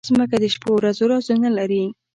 مځکه د شپو ورځو رازونه لري.